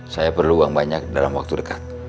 saya perlu uang banyak dalam waktu dekat